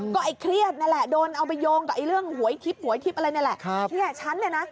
ก็ไอ้เครียดนั่นแหละโดนเอาไปโยงกับไอ้เรื่องหวยทิพยทิพย์อะไรนี่แหละเนี่ยฉันเนี่ยนะ